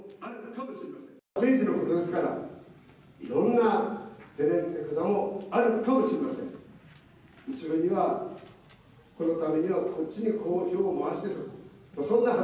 政治のことですから、いろんな手練手管もあるかもしれません。